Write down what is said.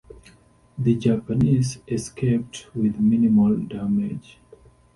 The Japanese escaped with minimal damage.